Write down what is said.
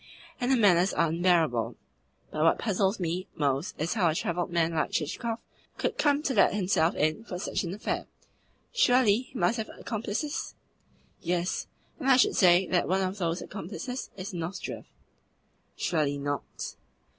And her manners are unbearable. But what puzzles me most is how a travelled man like Chichikov could come to let himself in for such an affair. Surely he must have accomplices?" "Yes; and I should say that one of those accomplices is Nozdrev." "Surely not?"